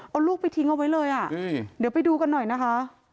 เอาลูกไปทิ้งเอาไว้เลยอ่ะเดี๋ยวไปดูกันหน่อยนะคะ